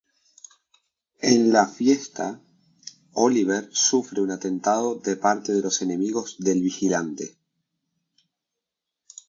En la fiesta, Oliver sufre un atentado de parte de los enemigos del Vigilante.